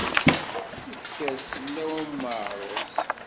Ifker sellaw am uɛarus.